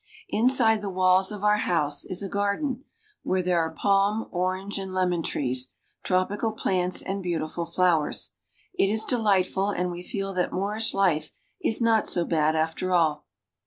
Inside the walls of our house is a garden, where there are palm, orange, and lemon trees, tropical plants, and beautiful flowers. It is delightful, and we feel that Moorish life is not so bad after all.